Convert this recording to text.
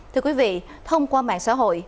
thưa quý vị thông qua mạng xã hội